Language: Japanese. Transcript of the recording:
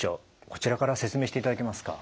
こちらから説明していただけますか。